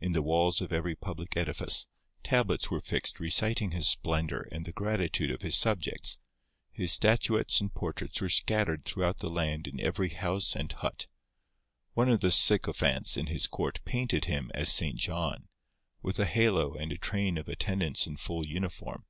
In the walls of every public edifice, tablets were fixed reciting his splendour and the gratitude of his subjects. His statuettes and portraits were scattered throughout the land in every house and hut. One of the sycophants in his court painted him as St. John, with a halo and a train of attendants in full uniform.